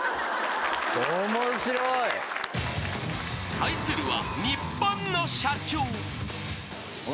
［対するは］